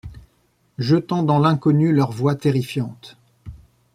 Jetant dans l’inconnu leur voix terrifiante